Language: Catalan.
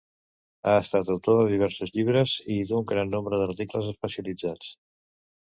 Ha estat autor de diversos llibres, i d'un gran nombre d'articles especialitzats.